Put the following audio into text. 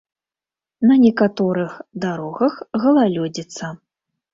На некаторых дарогах галалёдзіца.